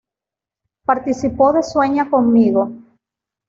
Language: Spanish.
Participó de Sueña Conmigo.